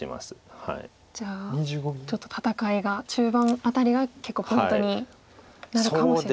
じゃあちょっと戦いが中盤あたりが結構ポイントになるかもしれない。